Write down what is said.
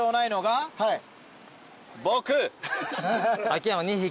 秋山２匹。